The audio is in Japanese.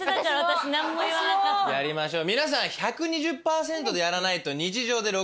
やりましょう。